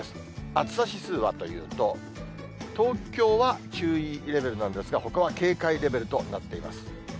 暑さ指数はというと、東京は注意レベルなんですが、ほかは警戒レベルとなっています。